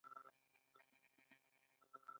او دوی انصاف غواړي.